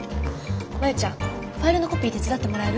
真夕ちゃんファイルのコピー手伝ってもらえる？